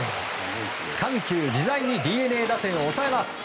緩急自在にＤｅＮＡ打線を抑えます。